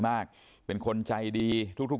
ไปบอกให้เขารู้